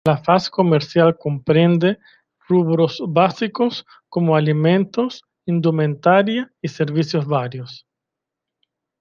La faz comercial comprende rubros básicos como alimentos, indumentaria y servicios varios.